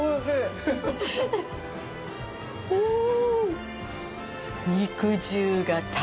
うん。